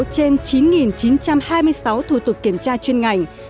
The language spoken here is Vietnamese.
sáu bảy trăm bảy mươi sáu trên chín chín trăm hai mươi sáu thủ tục kiểm tra chuyên ngành